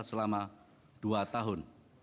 selama dua tahun